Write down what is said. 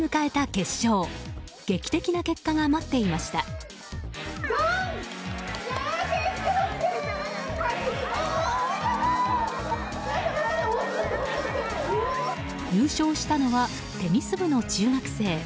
優勝したのはテニス部の中学生。